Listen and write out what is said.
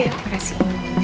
ya terima kasih